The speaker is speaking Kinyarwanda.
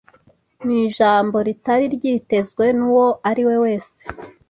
mu ijambo ritari ryitezwe n’uwo ariwe wese